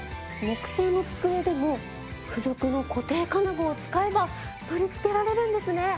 木製の机でも付属の固定金具を使えば取りつけられるんですね！